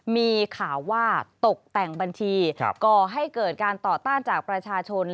มีข่าวว่าตกแต่งบัญชีก่อให้เกิดการต่อต้านจากประชาชน